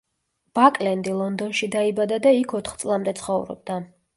ბაკლენდი ლონდონში დაიბადა და იქ ოთხ წლამდე ცხოვრობდა.